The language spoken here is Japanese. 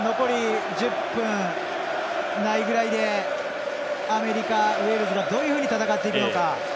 残り１０分ないぐらいでアメリカ、ウェールズがどういうふうに戦っていくか。